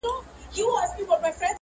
وریژې د غرمې ډوډۍ ده.